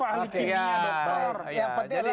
yang penting adalah